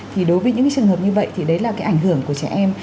thì đối với những cái trường hợp như vậy thì đấy là cái ảnh hưởng của trẻ em